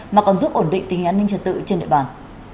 mà còn giúp ổn định tình hình an ninh trật tự trên địa bàn